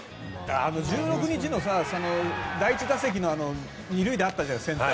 １６日の第１打席の２塁打あったじゃないですか。